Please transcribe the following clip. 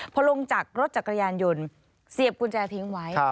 พอลงจากรถจักรยานยนต์เสียบกุญแจทิ้งไว้